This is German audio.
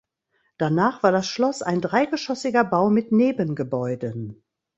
Danach war das Schloss ein dreigeschossiger Bau mit Nebengebäuden.